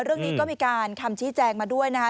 เรื่องนี้ก็มีการคำชี้แจงมาด้วยนะคะ